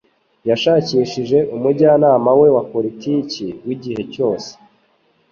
yashakishije umujyanama we wa politiki w'igihe cyose